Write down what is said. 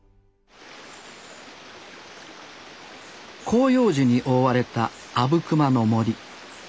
広葉樹に覆われた阿武隈の森。